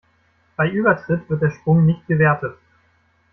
Bei Übertritt wird der Sprung nicht gewertet.